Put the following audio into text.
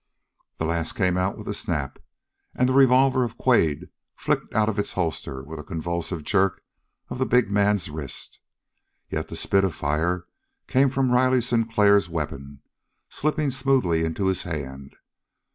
That last came out with a snap, and the revolver of Quade flicked out of its holster with a convulsive jerk of the big man's wrist. Yet the spit of fire came from Riley Sinclair's weapon, slipping smoothly into his hand.